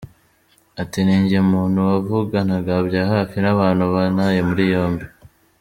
Ati “Ni njye muntu wavuganaga bya hafi n’abantu bantaye muri yombi.